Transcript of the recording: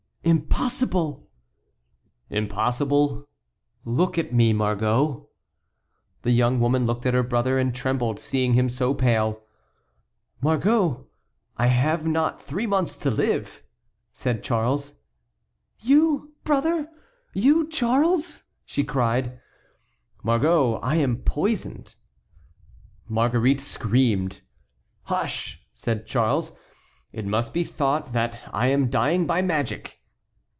"Impossible!" "Impossible? Look at me, Margot." The young woman looked at her brother and trembled, seeing him so pale. "Margot, I have not three months to live!" said Charles. "You, brother! you, Charles!" she cried. "Margot, I am poisoned." Marguerite screamed. "Hush," said Charles. "It must be thought that I am dying by magic."